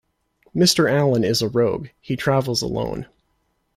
Mr. Allen is a rogue: he travels alone.